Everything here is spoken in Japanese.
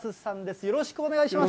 よろしくお願いします。